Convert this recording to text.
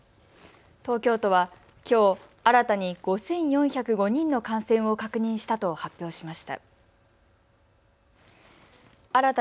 東京都はきょう新たに５４０５人の感染を確認したと発表しました。